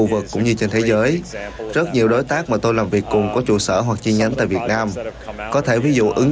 với những cải tiến nâng cao chất lượng